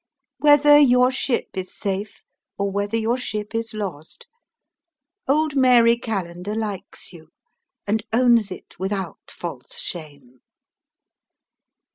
Whether your ship is safe or whether your ship is lost, old Mary Callender likes you, and owns it without false shame.